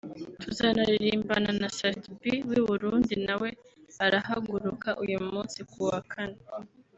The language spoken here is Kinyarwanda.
tuzanaririmbana na Sat B w’i Burundi nawe arahaguruka uyu munsi [kuwa Kane]